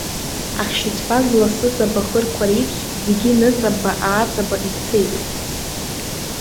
Ахьшьыцба зласыз абаӷырқәа реиԥш, зегь ныҵабаааҵаба ицеит.